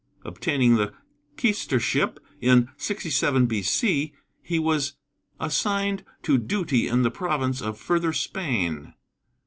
Obtaining the quæstorship in 67 B.C., he was assigned to duty in the province of Further Spain.